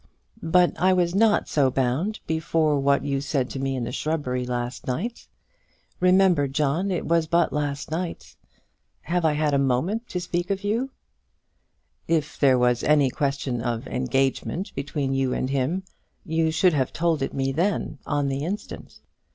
"But I was not so bound before what you said to me in the shrubbery last night? Remember, John, it was but last night. Have I had a moment to speak to you?" "If there was any question of engagement between you and him, you should have told it me then, on the instant."